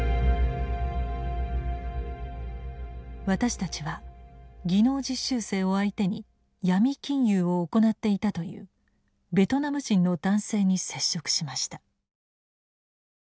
私たちは技能実習生を相手に闇金融を行っていたというベトナム人の男性に接触しました。